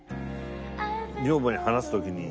女房に話す時に。